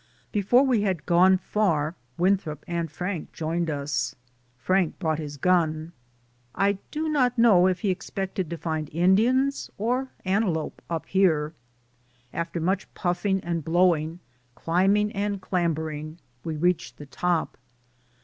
Before we had gone far, Winthrop and Frank joined us. Frank brought his gun; I do not know if he expected to find Indians or antelope up here. After much puffing and blowing, climbing and clamber ing, we reached the top.